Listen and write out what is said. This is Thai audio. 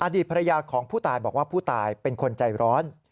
อดีตภรรยาของผู้ตายบอกว่าผู้ตายเป็นคนใจร้อน